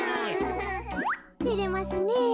てれますねえ。